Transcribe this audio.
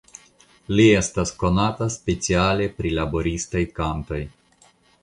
Li estas konata speciale pri laboristaj kantoj.